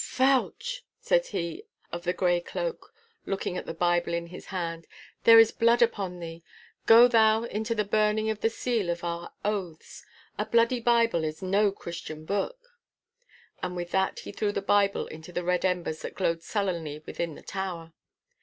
'Fauch!' said he of the grey cloak, looking at the Bible in his hand, 'there is blood upon thee. Go thou into the burning as the seal of our oaths. A bloody Bible is no Christian book!' And with that he threw the Bible into the red embers that glowed sullenly within the tower.